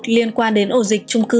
liên quan đến ổ dịch trung cư